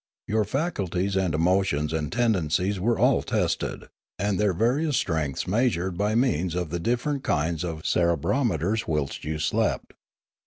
Your faculties and emotions and tendencies were all tested, and their various strengths measured by means of the different kinds of cerebrometers whilst you slept.